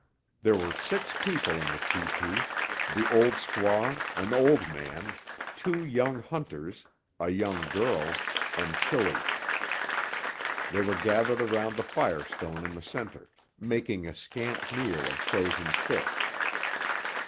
There were six people in the tepee, the old squaw, an old man, two young hunters, a young girl, and Tillie. They were gathered around the fire stone in the centre, making a scant meal of frozen fish.